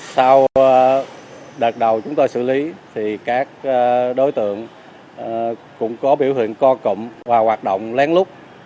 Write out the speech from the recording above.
sau đợt đầu chúng tôi xử lý thì các đối tượng cũng có biểu hiện co cụm và hoạt động lén lút